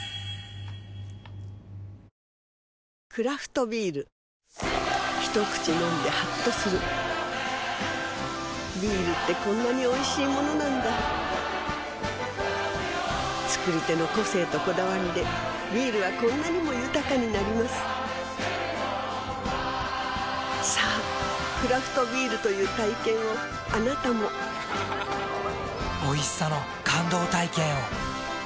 クラフトビール一口飲んでハッとするビールってこんなにおいしいものなんだ造り手の個性とこだわりでビールはこんなにも豊かになりますさぁクラフトビールという体験をあなたもおいしさの感動体験を。